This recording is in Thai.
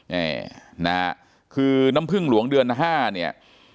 นี่นะฮะคือน้ำพึ่งหลวงเดือนห้าเนี่ย